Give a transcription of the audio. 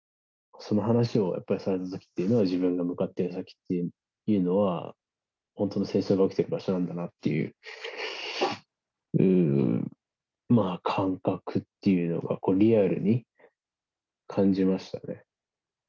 その話をされたときは、自分が向かっている先っていうのは、本当に戦争が起きてる場所なんだなっていう、感覚っていうのが、リアルに感じましたね。